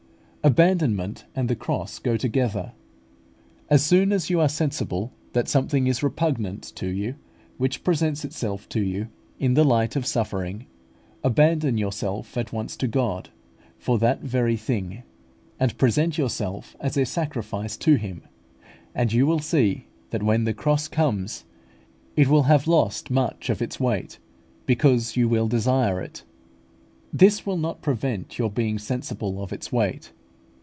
Abandonment and the cross go together. As soon as you are sensible that something is repugnant to you which presents itself to you in the light of suffering, abandon yourself at once to God for that very thing, and present yourself as a sacrifice to Him: you will see that, when the cross comes, it will have lost much of its weight, because you will desire it. This will not prevent your being sensible of its weight.